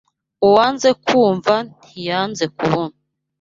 Uwanze kwumva ntiyanze kubona